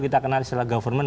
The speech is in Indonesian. kita kenal istilah government